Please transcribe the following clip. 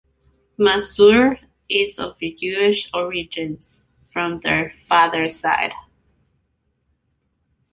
Mazur is of Jewish origins from their father side.